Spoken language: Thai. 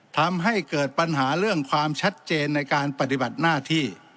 ทำให้เกิดปัญหาเรื่องความชัดเจนในการปฏิบัติหน้าที่